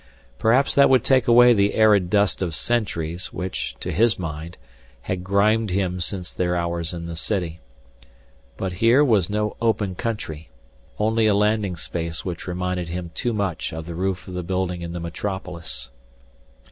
Perhaps that would take away the arid dust of centuries, which, to his mind, had grimed him since their hours in the city. But here was no open country, only a landing space which reminded him too much of the roof of the building in the metropolis.